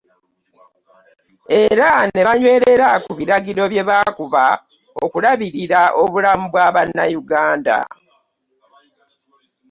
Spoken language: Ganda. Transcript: Era ne banywerera ku biragiro bye baakuba okulabirira obulamu bwa bannayuganda.